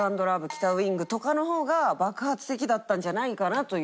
『北ウイング』とかの方が爆発的だったんじゃないかなという。